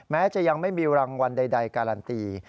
แม้จะยังไม่มีรางวัลใดการันตี